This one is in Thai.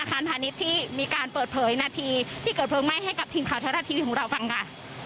พาณิชย์ที่มีการเปิดเผยนาทีที่เกิดเพลิงไหม้ให้กับทีมข่าวแท้รัฐทีวีของเราฟังค่ะ